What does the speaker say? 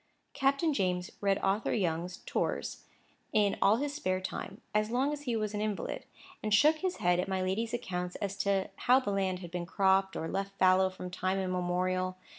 Captain James read Arthur Young's "Tours" in all his spare time, as long as he was an invalid; and shook his head at my lady's accounts as to how the land had been cropped or left fallow from time immemorial.